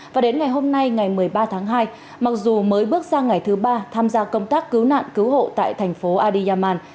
và đến ngày hôm nay ngày một mươi ba tháng hai mặc dù mới bước sang ngày thứ ba tham gia công tác cứu nạn cứu hộ tại thành phố adiyaman